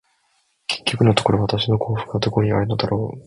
結局のところ、私の幸福はどこにあるのだろう。